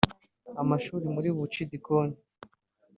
amashuri muri buri bucidikoni